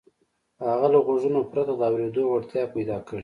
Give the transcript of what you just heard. هغه له غوږونو پرته د اورېدو وړتيا پيدا کړي.